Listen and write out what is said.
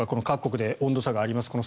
各国で温度差があります。